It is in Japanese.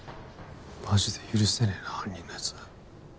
マジで許せねえな犯人のやつ